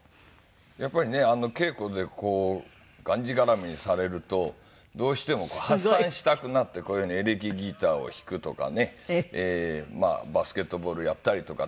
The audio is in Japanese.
やっぱりね稽古でがんじがらめにされるとどうしても発散したくなってこういうふうにエレキギターを弾くとかねバスケットボールをやったりとかって。